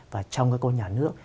và trong các cơ quan nhà nước